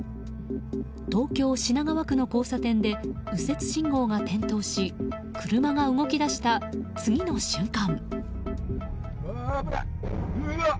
東京・品川区の交差点で右折信号が点灯し車が動き出した次の瞬間。